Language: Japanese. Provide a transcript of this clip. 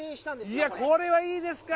いやこれはいいですか。